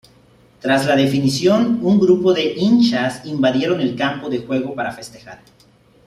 Tras la definición un grupo de hinchas invadieron el campo de juego para festejar.